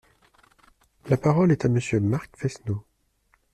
La parole est à Monsieur Marc Fesneau.